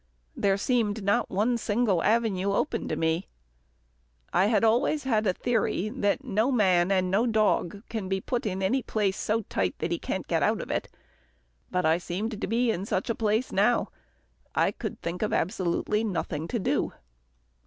There seemed not one single avenue open to me. I had always had a theory, that no man and no dog can be put in any place so tight that he can't get out of it, but I seemed to be in such a place now. I could think of absolutely nothing to do.